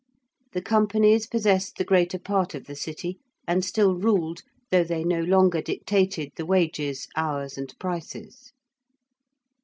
The Companies possessed the greater part of the City and still ruled though they no longer dictated the wages, hours, and prices.